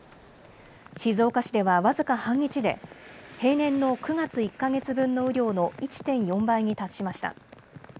静岡市では僅か半日で平年の９月１か月分の雨量の１．４倍に達しました。